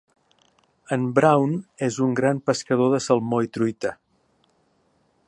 En Brawn és un gran pescador de salmó i truita.